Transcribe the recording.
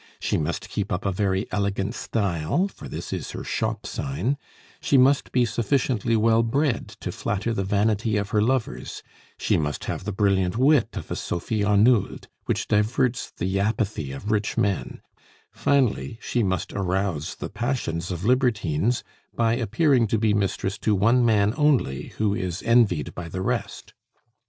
She must keep up a very elegant style, for this is her shop sign; she must be sufficiently well bred to flatter the vanity of her lovers; she must have the brilliant wit of a Sophie Arnould, which diverts the apathy of rich men; finally, she must arouse the passions of libertines by appearing to be mistress to one man only who is envied by the rest.